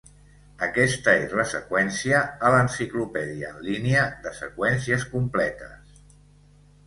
Aquesta és la seqüència a l'enciclopèdia en línia de seqüències completes.